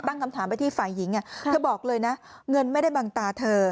ตั้งคำถามไปที่ฝ่ายหญิงเธอบอกเลยนะเงินไม่ได้บังตาเธอ